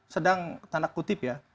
sedang tanda kutip ya